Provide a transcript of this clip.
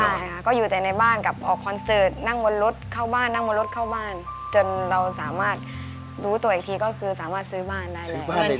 ใช่ค่ะก็อยู่แต่ในบ้านกับออกคอนเสิร์ตนั่งบนรถเข้าบ้านนั่งบนรถเข้าบ้านจนเราสามารถรู้ตัวอีกทีก็คือสามารถซื้อบ้านได้เลย